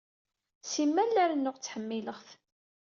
Simal la rennuɣ ttḥemmileɣ-t.